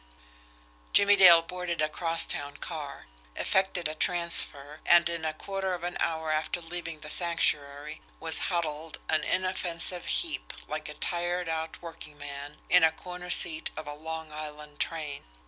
Jimmie Dale boarded a cross town car, effected a transfer, and in a quarter of an hour after leaving the Sanctuary was huddled, an inoffensive heap, like a tired out workingman, in a corner seat of a Long Island train.